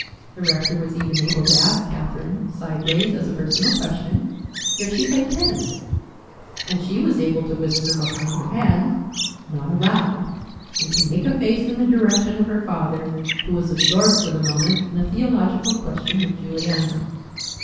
The rector was even able to ask Catherine, sideways as a personal question, if she played tennis; and she was able to whisper behind her hand, "Not allowed," and to make a face in the direction of her father, who was absorbed for the moment in a theological question with Juliana.